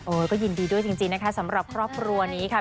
ก็ยินดีด้วยจริงนะคะสำหรับครอบครัวนี้ค่ะ